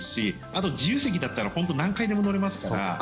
あと自由席だったら本当に何回でも乗れますから。